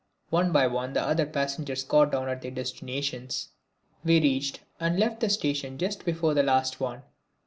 One by one the other passengers got down at their destinations. We reached and left the station just before the last one.